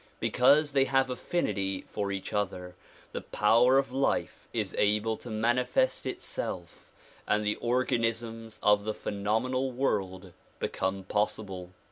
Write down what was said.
Because they have affinity for each other the power of life is able to manifest itself and the organisms of the phenomenal world become possible.